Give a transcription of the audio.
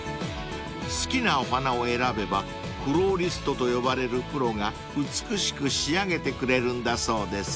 ［好きなお花を選べばフローリストと呼ばれるプロが美しく仕上げてくれるんだそうです］